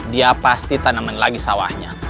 dia pasti tanaman lagi sawahnya